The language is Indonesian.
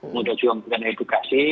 mudah juga membuat edukasi